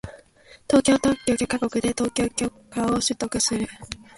東京特許許可局で特許許可を取得する